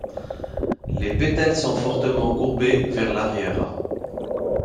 Les pétales sont fortement courbés vers l'arrière.